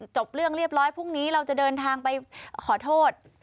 จบเรื่องเรียบร้อยพรุ่งนี้เราจะเดินทางไปขอโทษ